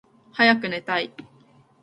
はやくねたい